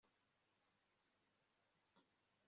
Kandi abagabo nabagore bose bakina gusa